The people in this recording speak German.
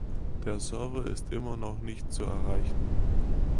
Der Server ist immer noch nicht zu erreichen.